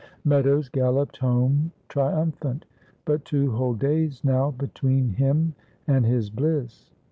Meadows galloped home triumphant. But two whole days now between him and his bliss!